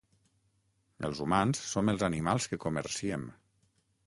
Els humans som els animals que comerciem.